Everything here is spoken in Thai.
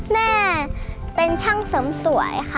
แม่เป็นช่างเสริมสวยค่ะ